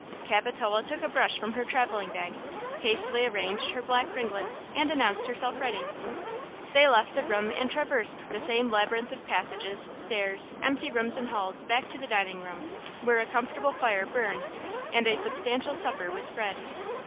Capitola took a brush from her traveling bag, hastily arranged her black ringlets and announced herself ready. They left the room and traversed the same labyrinth of passages, stairs, empty rooms and halls back to the dining room, where a comfortable fire burned and a substantial supper was spread.